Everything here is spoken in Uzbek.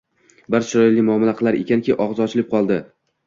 Bir chiroyli muomala qilar ekanki, og`zi ochilib qoldi